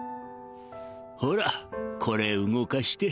ほらこれ動かして